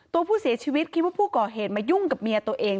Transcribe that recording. ตัวผู้เสียชีวิตคิดว่าผู้ก่อเหตุมายุ่งกับเมียตัวเอง